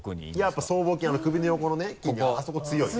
やっぱ僧帽筋首の横のね筋肉あそこ強いね。